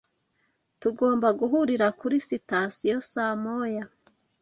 Tugomba guhurira kuri sitasiyo saa moya